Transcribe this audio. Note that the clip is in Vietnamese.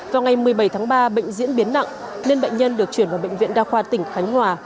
vào ngày một mươi bảy tháng ba bệnh diễn biến nặng nên bệnh nhân được chuyển vào bệnh viện đa khoa tỉnh khánh hòa